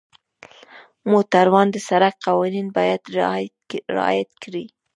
موټروان د سړک قوانین باید رعایت کړي.